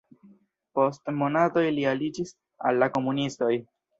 Post monatoj li aliĝis al la komunistoj.